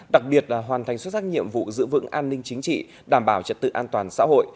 đặc biệt là hoàn thành xuất sắc nhiệm vụ giữ vững an ninh chính trị đảm bảo trật tự an toàn xã hội